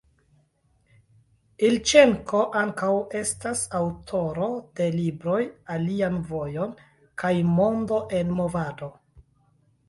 Ilĉenko ankaŭ estas aŭtoro de libroj «Alian vojon» kaj «Mondo en movado».